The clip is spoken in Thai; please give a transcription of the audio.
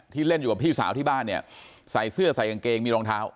เล่นอยู่กับพี่สาวที่บ้านเนี่ยใส่เสื้อใส่กางเกงมีรองเท้า